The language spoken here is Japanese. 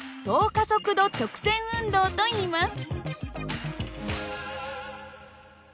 加速度直線運動といいます。